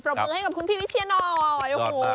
ประมือให้กับคุณพี่วิเชียนหน่อย